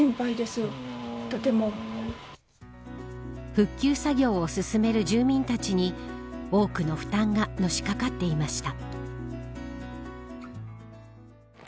復旧作業を進める住民たちに多くの負担がのしかかっていました。